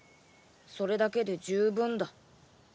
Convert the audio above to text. それだけで十分だ。